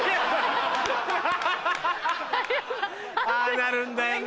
ああなるんだよな。